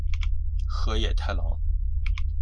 河野太郎。